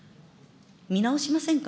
見直しませんか。